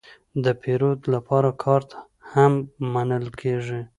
د پیرود لپاره کارت هم منل کېږي.